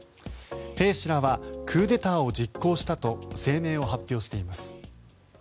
兵士らはクーデターを実行したと声明を発表しています。